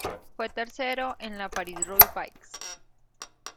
Fue tercero en la París-Roubaix.